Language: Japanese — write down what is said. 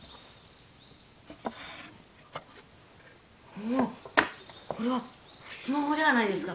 おおっこれはスマホではないですか！